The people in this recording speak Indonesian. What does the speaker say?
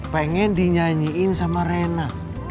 pengen dinyanyiin sama reina